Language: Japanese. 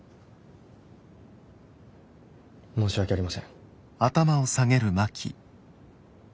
申し訳ありません。